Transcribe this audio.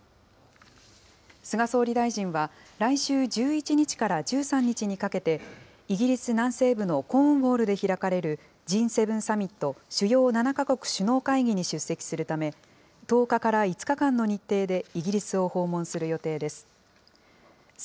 菅総理大臣は、来週１１日から１３日にかけて、イギリス南西部のコーンウォールで開かれるＧ７サミット・主要７か国首脳会議に出席するため、１０日から５日間の日程でイギリスを訪問する予定です。